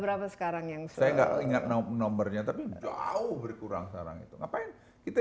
berapa sekarang yang saya enggak ingat nomornya tapi jauh berkurang sekarang itu ngapain kita